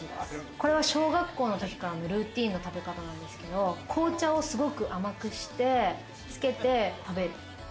これは小学校からのルーティンの食べ方なんですけれども、紅茶をすごく甘くして、つけて食べる。